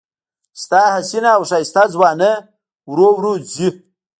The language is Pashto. ستا حسینه او ښایسته ځواني ورو ورو ځي